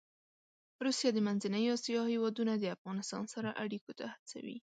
روسیه د منځنۍ اسیا هېوادونه د افغانستان سره اړيکو ته هڅوي.